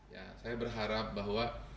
ya saya berharap bahwa